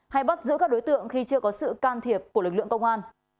hay bắt giữ các đối tượng khi chưa có sự can thiệp của lực lượng công an